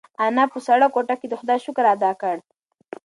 انا په سړه کوټه کې د خدای شکر ادا کړ.